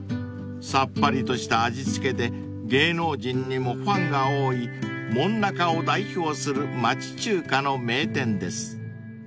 ［さっぱりとした味付けで芸能人にもファンが多い門仲を代表する町中華の名店です］